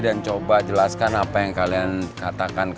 dan coba jelaskan apa yang kalian katakan